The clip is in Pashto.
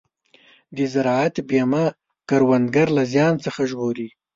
د زراعت بیمه کروندګر له زیان څخه ژغوري.